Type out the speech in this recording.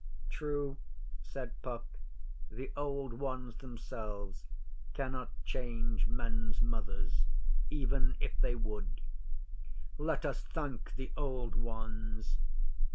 'True,' said Puck. 'The Old Ones themselves cannot change men's mothers even if they would.' 'Let us thank the Old Ones!